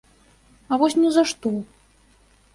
А вось ні за што.